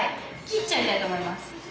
切っちゃいたいと思います。